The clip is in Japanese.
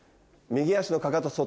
右足のかかとを外。